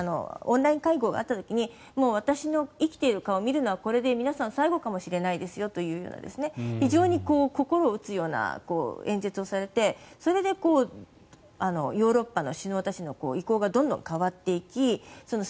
オンライン会合があった時に私の生きている顔を見るのがこれで皆さん最後かもしれないですよというような非常に心を打つような演説をされてそれでヨーロッパの首脳たちの意向がどんどん変わっていきＳＷＩＦＴ